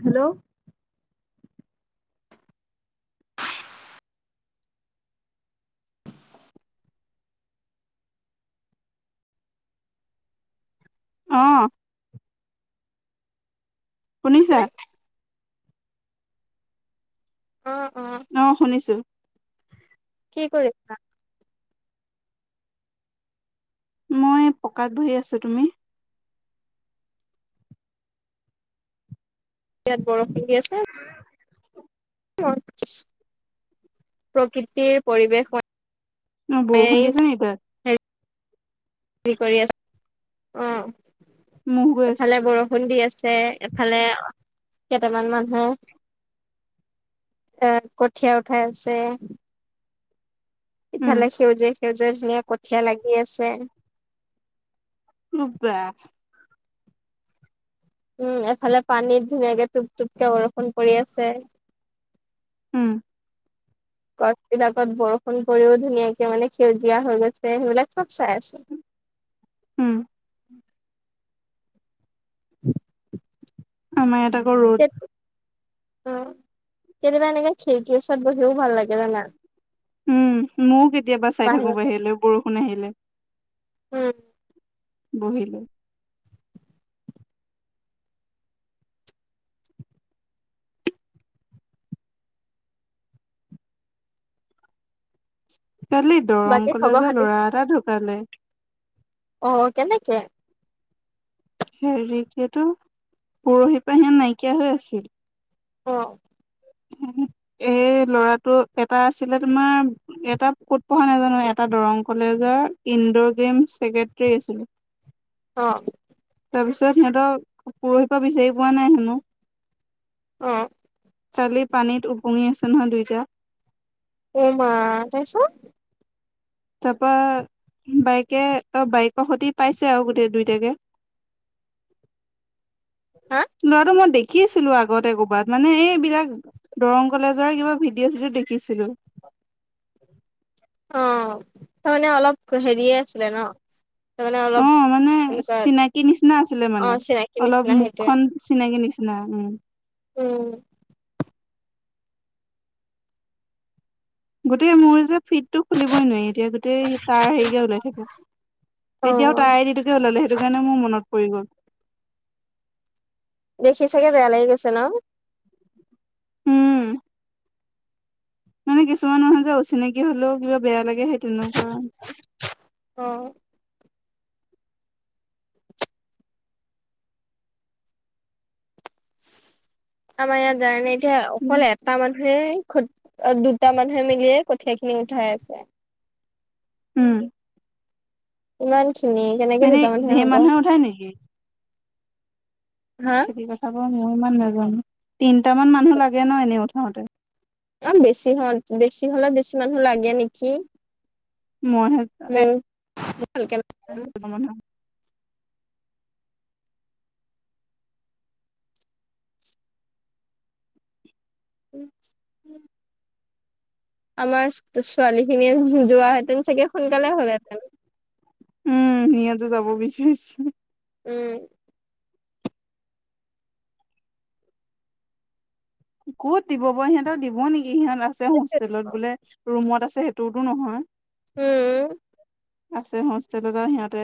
Hello অঁ অ শুনিছা? অঁ অঁ। অঁ শুনিছোঁ। কি কৰি'ছা? মই পকাত বহি আছো, তুমি? ইয়াত বৰফ পৰি আছে। [inaudible] প্ৰকৃতিৰ পৰিৱেশ ন বৰষুণ দি আছে নি তাত? কৰি আচ, মহ গৈ অঁ। আছো, এফালে বৰষুণ দি আছে, ফালে কেটামান মানুহে এ কঠীয়া উঠাই আছে, উম, ইফালে সেউজিয়া-সেউজিয়া ধুনীয়া কঠীয়া লাগি আছে উ বা উম, এফালে পানীত ধুনীয়াকে টোপ-টোপকে বৰষুণ পৰি আছে, উম গছ বিলাকত বৰষুণ পৰিও ধুনীয়াকে মানে সেউজীয়া হৈ গৈছে সেইবিলাক চব চাই আছোঁ। উম [inaudible] আমাৰ এয়াত আকৌ ৰ'দ উম'। কেতিয়াবা এনেকে খেকিৰ ওচৰত বহিও ভাল লাগে জানা? উম', ময়ো কেতিয়াবা চাই থাকো বাহিৰত বাহিয়লে বৰষুণ আহিলে। [unintelligible] বহিলে কালি দৰং বাকী খবৰ কলেজৰ খাতি ল'ৰা এটা ঢুকালে। অ অ কেনেকে? হেৰি কিতু, পৰহি পৰা সিহ নাইকিয়া হৈ আছিল। অ এই ল'ৰাটো, এটা আছিলে তোমাৰ এটা ক'ত পঢ়া নোজানো, এটা দৰং কলেজৰ ইনডৰ গেম চেগেট ট্ৰী এছিলে। অ তাৰ পিছত সিহঁতক পৰহি পৰা বিচাৰি পোৱা নাই হেনো। অঁ কালি পানীত ওপঙি আছে নহয় দুইটা। অঃ মা! তা'ছত? তাপা, বাইকে অ বাইক সুদি পাইছে আঔ গোটেই দুইটাকে। হা লৰাটো মই দে শিকিছিলো আগতে ক'ৰবাত, মানে এইবিলাক দৰং কলেজৰ কিবা ভিডিঅ' চিডিঅ' দেখিছিলো। অ তাৰমানে অলপ হেৰিয়ে আছিলে ন। তাৰমানে অ অলপ মানে, এনেকুৱা চিনাকি নিচিনা আছিলে, অ মানে চিনাকি অলপ নিচিনা সেইটোৱে মুখখন চিনাকি নিচিনা উম। অঁ। গোটেই মোৰ যে ফি টো খুলিবই নোৱাৰি, এতিয়া গোটেই তাৰ হেৰিকে ওলাই থাকে। অ এতিয়াও তাৰে আই দি টোকে ওলাই থাকে। সেইটো কাৰণে মোৰ মনত পৰি গ'ল। দেখি চাগে বেয়া লাগি গৈছে ন। উম। মানে কিছুমান মানুহ যে অচিনাকি হলেও কিবা বেয়া লাগে সেই তেনেকুৱা। অ। আমাৰ ইয়াত যানে নে, এতিয়া অকল এটা মানুহে খ অ দুটা মানুহে মিলিয়ে কঠীয়া খিনি উঠাই আছে। উম। ইমান খিনি কেনেকে এনে দুটা মানহে ধেৰ হ'ব? মানুহে উঠাই নেকি হা খেতি কথা বাৰু মই ইমান নাজানো। তিনট মান মানুহ লাগে ন, এনেই উঠাওতে। অ বেছি হল, বেছি হ'লে বেছি মানুহ লাগে নেকি। মই হে উম। ভালকে ত' মান [unintelligible] উম, উম। আমাৰ ছোৱালী খিনিয়ে যোৱাহেঁতেন চাগে সোনকালে হ'লহেঁতেন। উম, সিহঁতে যাব বিচাৰিছে। উম। ক'ত দিব বাও, সিহঁতৰ দিব নেকি সিহঁত আছে হোষ্টেলত বোলে, ৰুমত আছে টোৰ টো নহয়। উম। আছে হোষ্টেলত সিহঁতে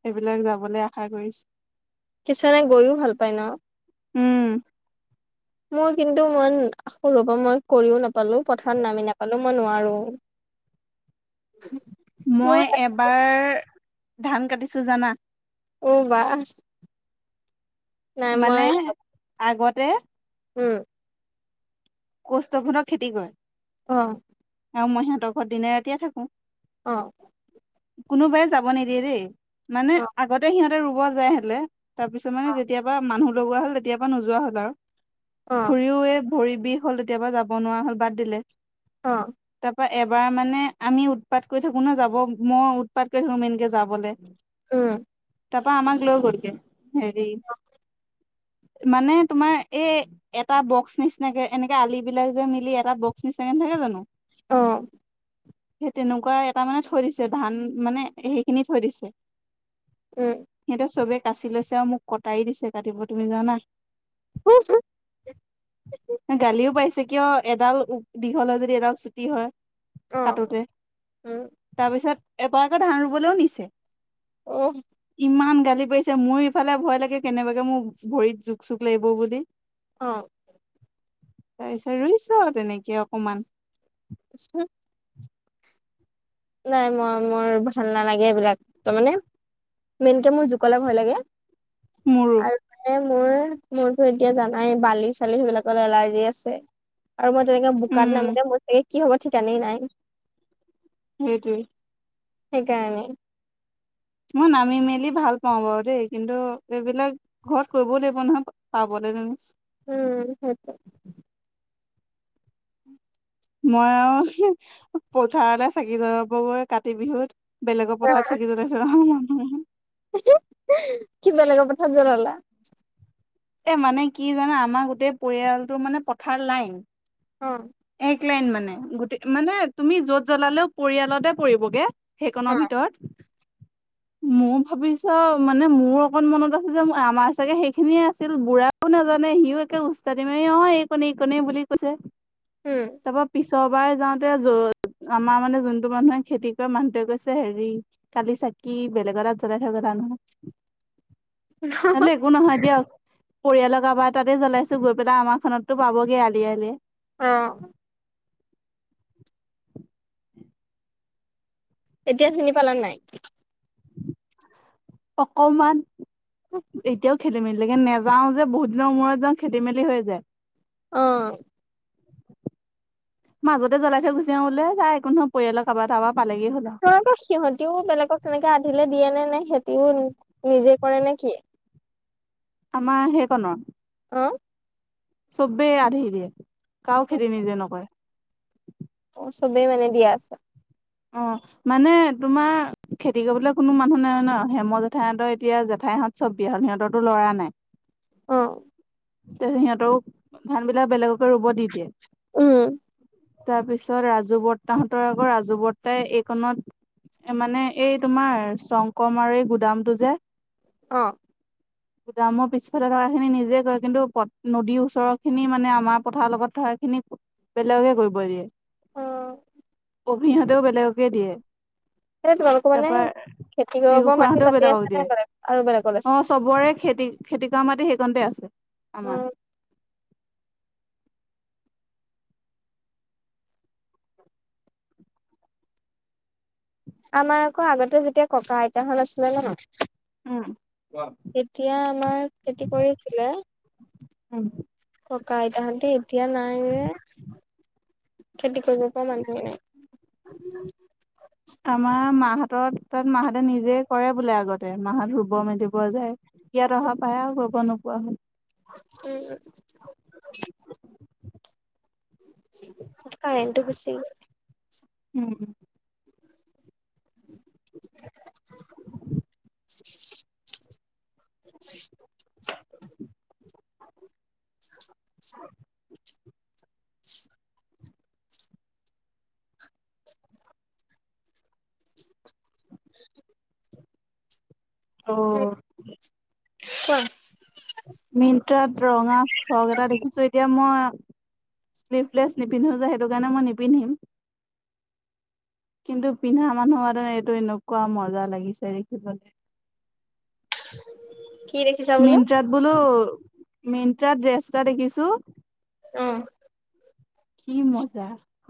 সেইবিলাক যাবলৈ আশা কৰিছে। কিছুমানে, গৈয়ো ভাল পায় ন। উম। মোৰ কিন্তু মই সৰুৰ পৰা মই কৰিও নাপালো, পথাৰত নামি নাপালো, মই নোৱাৰো। মই মোৰ এবাৰ ধান কাটিছো, জানা। অঁ বাহ। মানে আগতে উম। কষ্ঠত ফলত খেতি কৰে অ'। আৰু মই সিহঁতৰ ঘৰত দিনে ৰাতিয়ে থাকো। অ'। কোনোবাই যাব নিদিয়ে দেই, মানে অ আগতে সিহঁতে ৰুব যায়হলে তাৰপিছত মানে যেতিয়াৰপৰা মানুহ লগোৱা হ'ল, তেতিয়াৰপা নোযোৱা হ'ল আৰু। অ খুৰীয়েও এ, ভৰি বিষ হ'ল তেতিয়াপা যাব নোৱাৰা হ'ল, বাদ দিলে। অ'। তাৰপা এবাৰ মানে আমি উৎপাত কৰি থাকো ন' যাব মই উৎপাত কৰি থাকো মেইনকে যাবলে। উম। তাৰপা আমাক লৈ গলগে হেৰি মানে তোমাৰ এই এটা বক্স নিচিনাকে এনেকে আলি বিলাক যে মিলি এটা বক্স নিচিনা নাথাকে জানো? অ'। সেই তেনেকুৱা এটা মানে থৈ দিছে ধান মানে সেইখিনি থৈ দিছে। [inaudible] উম। সিহঁতে চবে কাচি লৈছে আৰু মোক কটাৰি দিছে কাটিব তুমি জানা? [unintelligible] গালিও পাইছে কিয় এডাল দীঘল যদি এডাল চুটি হয়। অ কাটোতে, উম তাৰপিছত এবাৰ আকৌ ধান ৰুবলৈও নিছে। অহ। ইমান গালি পাৰিছে, মোৰ ইফালে ভয় লাগে কেনেবাকে মোৰ ভৰিত জোক চোক লাগিব বুলি। অ'। তাৰপিছত ৰুইছো তেনেকে অকমান। [unintelligible] নাই মই মোৰ ভাল নালাগে এইবিলাক তাৰ মানে মেইনকে মোৰ জোকলে ভয় লাগে। মোৰো। আৰু মানে মোৰ মোৰতো এতিয়া জানাই বালি চালি সেইবিলাকৰ এলাৰ্জি আছে। আৰু মই তেনেকে বোকাত উম নামিলে মোৰ চাগে কি হ'ব ঠিক তেনে নাই। সেইটোৱেই। সেইকাৰণে। মই নামি মেলি ভাল পাওঁ বাৰু দেই কিন্তু এইবিলাক- ঘৰত কৰিবও লাগিব নহয় পাবলৈ - উম উম। মই আৰু পথাৰতে চাকি জ্বলাবগৈ কাতি বিহুত- বেলেগৰ পথাৰত চাকি জ্বলাই থৈ চো ন মই। কি বেলেগৰ পথাৰত জ্বলা লা? এ মানে কি জানে আমাৰ গোটেই পৰিয়ালটো মানে পথাৰ লাইন- অ। এক লাইন মানে গোটেই মানে তুমি য'ত জ্বলালেও পৰিয়ালতে পৰিবগে- সেইখনৰ ভিতৰত। মই ভাবিছো মানে মোৰ অকন মনত আছে যে আমাৰ চাগে সেইখিনিয়ে আছিল বুঢ়া একো নাজানে সিও একে ওস্তাদি মাৰি অ' এইকনে এইকনে বুলি কৈছে, উম। তাৰপা পিছৰ বাৰ যাওঁতে য আমাৰ মানে যোনটো মানুহে খেতি কৰে মানুহটোৱে কৈছে হেৰি কালি চাকি বেলেগৰ ৰাত জ্বাই থাক ধানো অ। একো নহয় দিয়ক, পৰিয়ালৰ কাৰবাৰ তাতে জ্বলাইছো গৈ পেলাই আমাৰখনততো পাবগে আলি আলিয়ে। অ। এতিয়া চিনি পালা নে নাই? অকমান, এতিয়াও খেলি মেলিকে নেজ- যাওঁ যে বহুত দিনৰ মূৰত যাওঁ খেলি মেলি হৈ যায়। [unintelligible] অঁ। [unintelligible] মাজতে জ্বলাই থৈ গুচি গ'ল বোলে তাই একো নকলে পৰিয়ালৰ কাৰোবাৰ পৰা পালেগে হ'ল আৰু। [unintelligible] আকৌ সিহঁতিও বেলেগক তেনেকে আধিলে দিয়ে নে-নে সিহঁতিও নিজে কৰে নে কি? [unintelligible] আমাৰ সেইকনৰ? [unintelligible] অঁ [unintelligible] চবেই আধি দিয়ে। কাৰো খেতি নিজে নকৰে? [unintelligible] অঁ চবেই মানে দিয়া আছে। [unintelligible] অঁ। [inaudible] মানে তোমাৰ খেতি কৰিবলৈ কোনো মানুহ নাই ন। হেমৰ জেঠাইহঁতৰ এতিয়া জেঠাইহঁত [unintelligible] চব বিয়া হ'ল সিহঁতৰটো ল'ৰা নাই। [unintelligible] অঁ। [inaudible] তে সিহঁতেও ধান বিলাক বেলেগকে ৰুব দি দিয়ে। [unintelligible] উম তাৰপিছত ৰাজু বৰ্তাহঁতৰ আকৌ ৰাজু বৰ্তাই এইকনত [unintelligible] মানে এই তোমাৰ শংকৰমৰীৰ আৰু এই গুদামটো যে [unintelligible] অঁ। [inaudible] অ [unintelligible] গুদামৰ পিছফালে থকাখিনি নিজে কৰে। কিন্তু নদীৰ ওচৰৰখিনি মানে আমাৰ পথাৰৰ লগত থকাখিনি [unintelligible] বেলেগকে কৰিব দিয়ে। [inaudible] অ অভিহঁতেও বেলেগকে দিয়ে। [inaudible] এ তোমালোকৰ মানে তাৰপা [unintelligible] খেতি ৰিকু কৰিব খুৰাহঁতেও মাটি-চাতি বেলেগক আছে দিয়ে নাই বেলেগ আৰু বেলেগত অ আছে? চবৰে খেতি [unintelligible] খেতি কৰা মাটি সেইকণতে আছে আমাৰ। উম, [inaudible] আমাৰ আকৌ আগতে যেতিয়া ককা-আইতাহঁত আছিলে ন? [unintelligible] উম [inaudible] তেতিয়া আমাৰ খেতি কৰিছিলে। উম [unintelligible] ককা-আইতাহঁতে এতিয়া নাই [inaudible] খেতি কৰিব পৰা মানুহহে নাই। [inaudible] উম [inaudible] আমাৰ মাহঁত তাত মাহঁতে নিজে কৰে বোলে আগতে মাহঁত ৰুব মেলিব যায়। [unintelligible] ইয়াত অহাৰ পাই আৰু কৰিব নোপোৱা হ'ল। [unintelligible] উম [unintelligible] কাৰেণ্টটো গুছি গ'ল। [unintelligible] উম [inaudible] অ [unintelligible] [unintelligible] অ [unintelligible] কোৱা? [unintelligible] মিন্ত্ৰাত ৰঙা ফ্ৰক এটা দেখিছোঁ এতিয়া মই [unintelligible] শ্লিভলেছ নিপিন্ধো যে সেইটো কাৰণে মই নিপন্ধিম। [unintelligible] কিন্তু পিন্ধা মানুহৰ কাৰণে এইটো এনেকুৱা মজা লাগিছে দেখিবলৈ। [unintelligible] কি দেখিছা বোলো মিন্ট্ৰাত বোলো মিট্ৰাত ড্ৰেছ এটা দেখিছোঁ। [unintelligible] অঁ। [unintelligible] কি মজা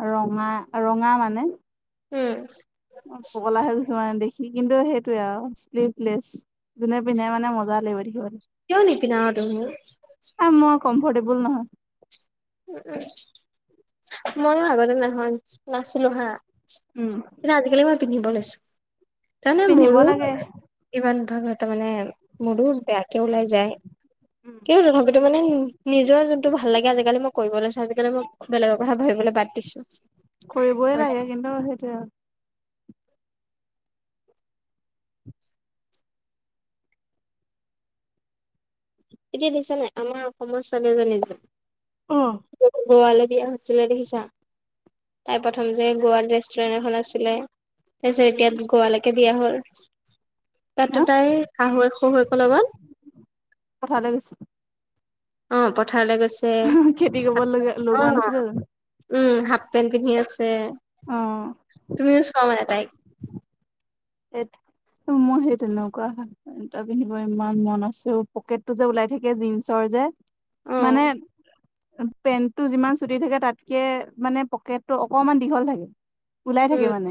ৰঙা? ৰঙা মানে। [unintelligible] উম! [unintelligible] অ', পগলা হৈ [inaudible] দেখি কিন্তু সেইটোয়ে আৰু শ্লিভলেছ যোনে পিন্ধে মানে, মজা লাগিব দেখিবলৈ। কিয় নিপিন্ধা বাৰো তুমি? এ মই কমর্ফটেবল নহয়! উ ময়ো আগতে নহয়, নাছিলোঁ হা। উম। কিন্তু আজিকালি মই পিন্ধিব লৈছোঁ! তাৰমানে পিন্ধিব মোৰো। লাগে [unintelligible] ইমান [inaudible] তাৰ মানে মোৰো, বেয়াকে ওলাই যায়! উম কিয় তথাপিতো মানে নিজৰ যোনটো ভাল লাগে, আজিকালি মই কৰিব লৈছোঁ! আজিকালি মই বেলেগৰ কথা ভাবিবলৈ বাদ দিছোঁ! কৰিবই লাগে। কিন্তু সেইটোয়ে আৰু এতিয়া দেখিছা নে নাই, আমাৰ অসমৰ ছোৱালী এজনী অ যে গোৱালৈ বিয়া হৈছিলে, দেখিছে। তাইৰ প্ৰথম যে গোৱাত ৰেষ্টুৰেন্ট এখন আছিলে। তাৰপিছত এতিয়া গোৱালৈকে বিয়া হ'ল! তাতো তাই শাহুৱেক শহুৱেকৰ লগত পথাৰলে গৈছে! অ' পথাৰলৈ গৈছে! খেতি কৰিব লগা অ' লগোৱা নাছিলো জানো উম হাফ পেণ্ট পিন্ধি আছে! অ। যে, তুমিও চোৱা মানে তাইক? ত মই সেই তেনেকুৱা! এটা পিন্ধিব ইমান মন আছে, ঔ পকেটটো যে ওলাই থাকে, জীনচৰ যে অ মানে পেণ্টটো যিমান চুটি থাকে তাতকে মানে পকেটটো অকনমান দীঘল থাকে! ওলাই থাকে উম মানে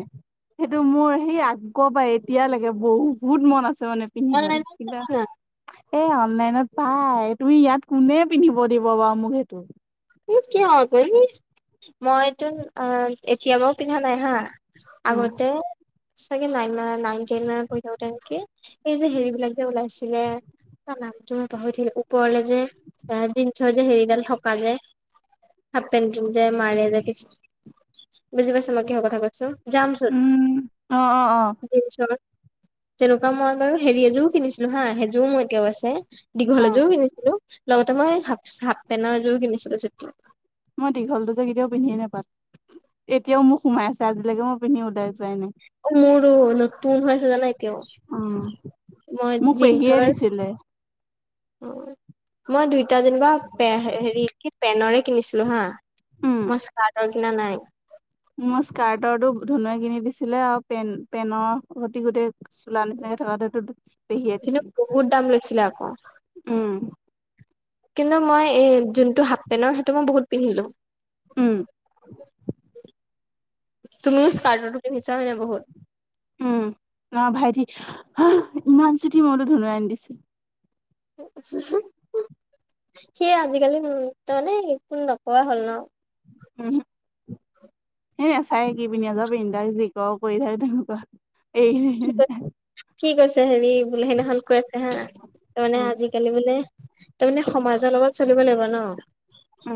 সেইটো মোৰ সেই আগ আগৰ পৰা এতিয়ালৈকে বহুত মন আছে, মানে পিন্ধিবলৈ অনলাইনত কিবা চাবা না এ অনলাইনত পায়! তুমি ইয়াত কোনে পিন্ধিব দিব বাৰু মোক সেইটো [unintelligible] মই টো, এতিয়া বাৰু পিন্ধা নাই হা। উম আগতে চাগে নাইন ম নাইন টেইন মানত পঢ়ি থাকোতে নেকি! এই যে হেৰি বিলাক যে ওলাইছিলে তাৰ নামটো পাহৰি থাকিলোঁ! ওপৰলে যে এ জিনচৰ যে হেৰিডাল থকা যে হাফেন টো যে মাৰে যে, কি বুজি পাইছ মই কিহৰ কথা কৈছো। জামচুট উম, অ অ জিনচৰ, তেনেকুৱা মই বাৰু হেৰি এযোৰো কিনিছিলোঁ, হা সেইযোৰো মোৰ এতিয়াও আছে! অ দীঘল এযোৰো কিনিছিলোঁ! লগতে মই হাফ পেনৰ এযোৰ ও কিনিছিলোঁ চট মই দীঘলটো যো কেতিয়াও পিন্ধিয়ে নাপালো! এতিয়াও মোক সোমাই আছে আজিলৈকে মই পিন্ধি উ [unintelligible] অ মোৰো নতুন হৈ আছে জানা, এতিয়াও! মই মোক পেহীয়ে জিনছৰ অ দিছিলে মই দুইটা যেনিবা, অ হেৰি কি পেনৰে কিনিছিলো হা উম মই চা না নাই' মোৰ স্কাৰ্টৰটো ধুনুুৱে কিনি দিছিলে, আৰু পেন পেনৰ অতি গোটেই চোলা নিচিনে থকাটোটো পেহিয়ে কিন্তু দিছিল। বহুত দাম লৈছিলে আকৌ উম, কিন্তু, মই এ যোনটো হাফ পেণ্টৰ সেইটো মই বহুত পিন্ধিলো। উম, তুমিও ইস্কাতৰটো পিন্ধিছা ন বহুত! উম ন ভাইটি, ইমান চুটি মই বলৈ ধনুৱাই আনি দিছে। সেই আজিকালি তাৰমানে ফোন নোকোৱা হ'ল ন। উম! এই [unintelligible] নে চাই কি পিন্ধ আজ পিন্ধাক যি ক কৰি থাকে তেনেকুৱা। এৰি কি কৈছে হেৰি বোলে সেইদিনাখন কৈ আছে, হা তাৰ মানে উম উম আজিকালি বোলে তাৰমানে সমাজৰ লগত চলিব লাগিব ন।